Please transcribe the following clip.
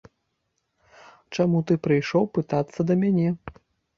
Чаму ты прыйшоў пытацца да мяне?